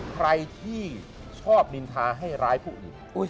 ใครที่ชอบนินทาให้ร้ายผู้อื่น